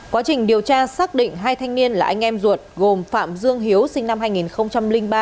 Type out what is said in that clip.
quá trình điều tra xác định hai thanh niên là anh em ruột gồm phạm dương hiếu sinh năm hai nghìn ba